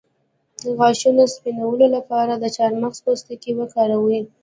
د غاښونو د سپینولو لپاره د چارمغز پوستکی وکاروئ